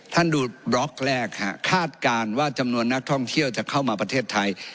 ท่านดูบล็อกแรกคาดการณ์ว่าจำนวนนักท่องเที่ยวจะเข้ามาประเทศไทย